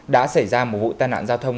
đã xảy ra một vụ tai nạn giao thông